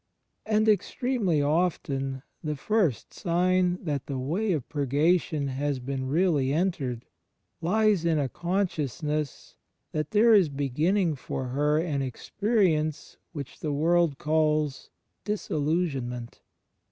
And, extremely often, the first sign that the Way of Purgation has been really entered, lies in a consciousness that there is beginning for her an experience which the world calls Disillusionment.